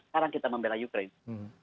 sekarang kita membela ukraine